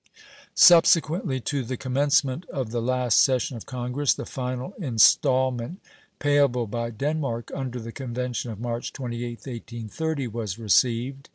Subsequently to the commencement of the last session of Congress the final installment payable by Denmark under the convention of March 28th, 1830 was received.